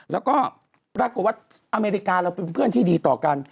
แล้วก็ปรากฏว่าอเมริกาเราเป็นเพื่อนที่ดีต่อกัน